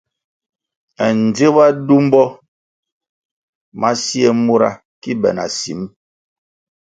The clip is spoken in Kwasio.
Ndziba simbo ma sie mura ki be na sīm.